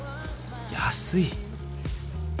安い。